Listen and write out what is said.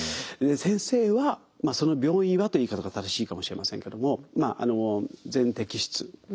先生はその病院はと言い方が正しいかもしれませんけども全摘出。